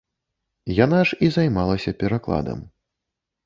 Яна ж і займалася перакладам.